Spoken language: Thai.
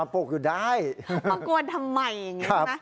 มากวนทำไมอย่างนี้นะ